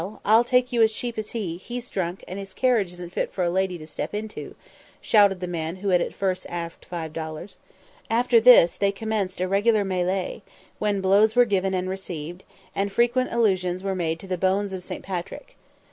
"I'll take you as cheap as he; he's drunk, and his carriage isn't fit for a lady to step into," shouted the man who at first asked five dollars. After this they commenced a regular mêlée, when blows were given and received, and frequent allusions were made to "the bones of St. Patrick."